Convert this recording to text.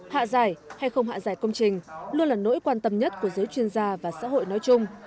hạ giải hay không hạ giải công trình luôn là nỗi quan tâm nhất của giới chuyên gia và xã hội nói chung